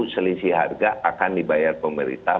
selisih harga akan dibayar pemerintah